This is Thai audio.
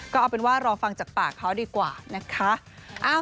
ก็เอาเป็นว่ารอฟังจากปากเขาดีกว่านะคะ